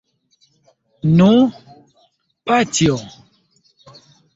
Nu, paĉjo!